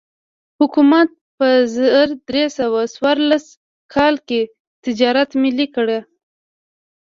حکومت په زر درې سوه څوارلس کال کې تجارت ملي کړ.